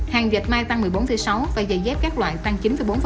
hàng vẹt mai tăng một mươi bốn sáu và dày dép các loại tăng chín bốn